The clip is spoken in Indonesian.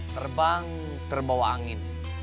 terbang terbawa angin